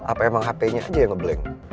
apa emang hpnya aja yang ngeblank